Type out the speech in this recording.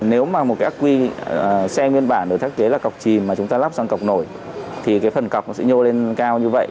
nếu mà một cái ác quy xe nguyên bản được thiết kế là cọc chìm mà chúng ta lắp sang cọc nổi thì cái phần cọc nó sẽ nhô lên cao như vậy